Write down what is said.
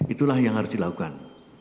itulah yang harus dilakukan